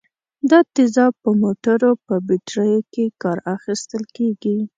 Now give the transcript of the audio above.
دا تیزاب په موټرو په بټریو کې کار اخیستل کیږي.